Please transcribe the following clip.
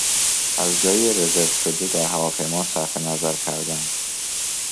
از جای رزرو شده در هواپیما صرفنظرکردن